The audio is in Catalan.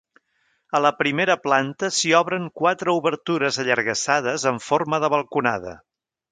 A la primera planta s'hi obren quatre obertures allargassades en forma de balconada.